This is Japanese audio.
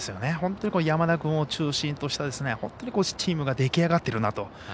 本当に山田君を中心としたチームが出来上がっているなと。